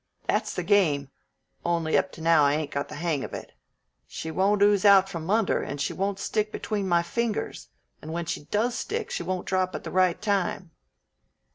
That's the game, only up to now I ain't got the hang of it. She won't ooze out from under, and she won't stick between my fingers, and when she does stick, she won't drop at the right time."